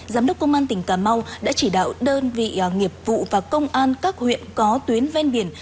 giám đốc công an tỉnh cà mau đã chỉ đạo đơn vị nghiệp vụ và công an các huyện có tuyến ven biển